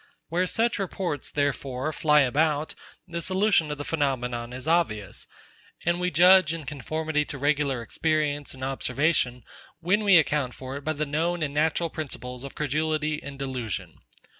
Where such reports, therefore, fly about, the solution of the phenomenon is obvious; and we judge in conformity to regular experience and observation, when we account for it by the known and natural principles of credulity and delusion.